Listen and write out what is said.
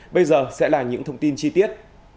bây giờ sẽ là những thông tin chi tiết